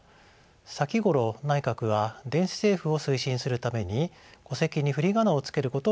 先ごろ内閣は電子政府を推進するために戸籍に振り仮名を付けることを決めました。